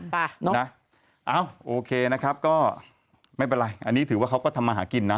เอ้าโอเคนะครับก็ไม่เป็นไรอันนี้ถือว่าเขาก็ทำมาหากินนะ